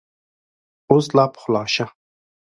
اوس لا پخلا شه !